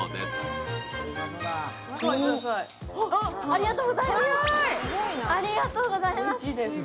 ありがうございます！